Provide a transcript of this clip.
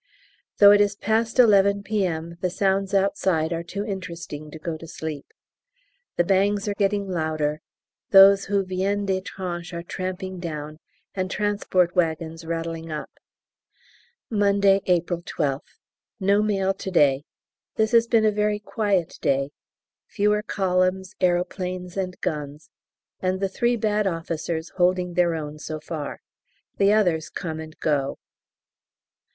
Though it is past 11 P.M. the sounds outside are too interesting to go to sleep; the bangs are getting louder; those who viennent des tranches are tramping down and transport waggons rattling up! Monday, April 12th. No mail to day. This has been a very quiet day, fewer columns, aeroplanes, and guns, and the three bad officers holding their own so far. The others come and go.